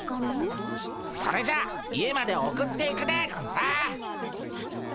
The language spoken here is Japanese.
それじゃ家まで送っていくでゴンス。